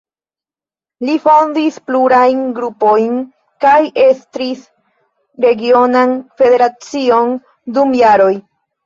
Li fondis plurajn grupojn kaj estris regionan federacion dum jaroj.